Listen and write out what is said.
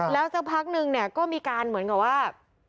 แล้วสักพักนึงเนี่ยก็มีการเหมือนกับว่า